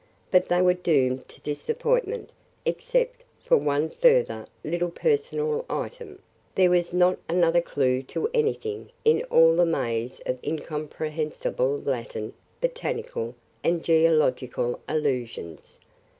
But they were doomed to disappointment. Except for one further little personal item, there was not another clue to anything in all the maze of incomprehensible Latin, botanical, and geological allusions.